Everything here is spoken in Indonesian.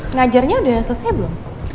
ngajarnya udah selesai belum